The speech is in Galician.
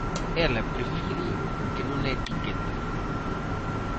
Ela prefire que non a etiqueten.